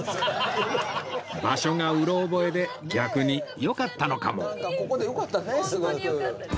場所がうろ覚えで逆によかったのかも